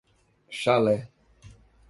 Chalé